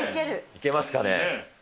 いけますかね。